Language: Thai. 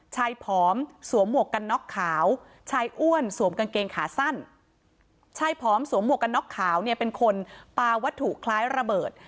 ผอมสวมหมวกกันน็อกขาวชายอ้วนสวมกางเกงขาสั้นชายผอมสวมหมวกกันน็อกขาวเนี่ยเป็นคนปลาวัตถุคล้ายระเบิด